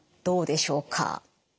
どうでしょうか？